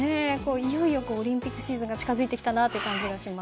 いよいよオリンピックシーズンが近づいてきたなという気がします。